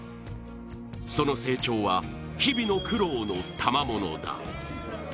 その成長は日々の苦労のたまものだ。